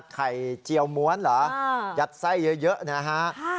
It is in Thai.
เจียวม้วนเหรอยัดไส้เยอะนะฮะ